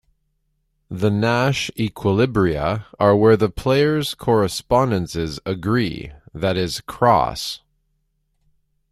The Nash equilibria are where the players' correspondences agree, that is, cross.